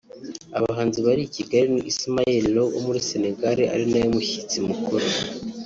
Abahanzi bari i Kigali ni Ismaël Lô wo muri Senegal ari nawe mushyitsi mukuru